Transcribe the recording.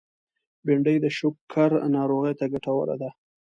بېنډۍ د شکر ناروغو ته ګټوره ده